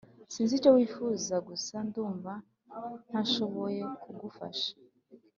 sinzi icyo wifuza gusa ndumva ntashoboye kugufasha